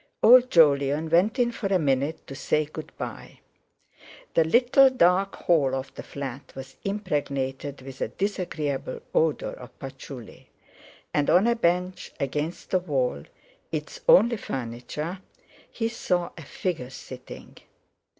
Old Jolyon went in for a minute to say good bye. The little dark hall of the flat was impregnated with a disagreeable odour of patchouli, and on a bench against the wall—its only furniture—he saw a figure sitting.